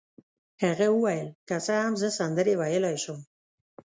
هغه وویل: که څه هم زه سندرې ویلای شم.